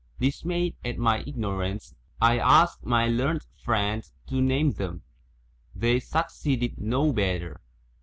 Dismayed at my ignorance, I asked my learned friends to name them; they succeeded no better.